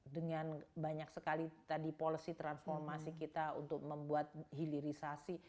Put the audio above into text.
dengan banyak sekali tadi policy transformasi kita untuk membuat hilirisasi